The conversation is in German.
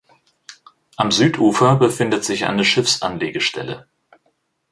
Am Südufer befindet sich eine Schiffsanlegestelle.